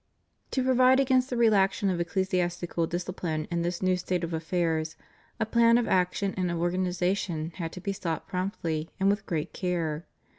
To provide against the relaxation of ecclesiastical disci pline in this new state of affairs, a plan of action and of organization had to be sought promptly and with great care.